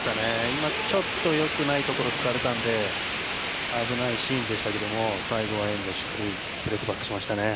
今ちょっとよくないところを使われたので危ないシーンでしたけども最後は遠藤しっかりプレスバックしました。